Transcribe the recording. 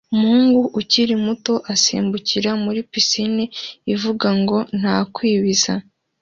Umuhungu ukiri muto usimbukira muri pisine ivuga ngo "nta kwibiza"